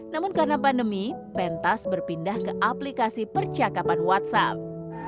namun karena pandemi pentas berpindah ke aplikasi percakapan whatsapp